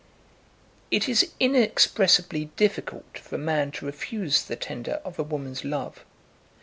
It is inexpressibly difficult for a man to refuse the tender of a woman's love.